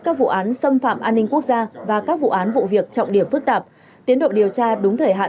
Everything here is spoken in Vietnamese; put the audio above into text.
các vụ án xâm phạm an ninh quốc gia và các vụ án vụ việc trọng điểm phức tạp tiến độ điều tra đúng thời hạn